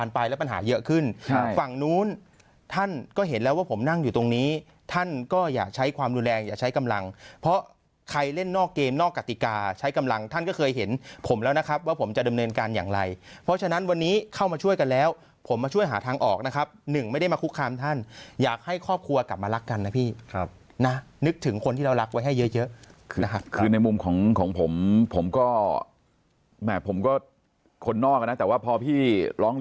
ผมนั่งอยู่ตรงนี้ท่านก็อย่าใช้ความรุนแรงอย่าใช้กำลังเพราะใครเล่นนอกเกมนอกกติกาใช้กำลังท่านก็เคยเห็นผมแล้วนะครับว่าผมจะดำเนินการอย่างไรเพราะฉะนั้นวันนี้เข้ามาช่วยกันแล้วผมมาช่วยหาทางออกนะครับหนึ่งไม่ได้มาคุกคามท่านอยากให้ครอบครัวกลับมารักกันนะพี่นะนึกถึงคนที่เรารักไว้ให้เยอะคือในมุมของผมผมก็